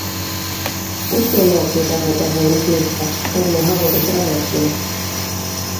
Усе нацыі да гэтага імкнуцца, калі мы гаворым пра нацыю.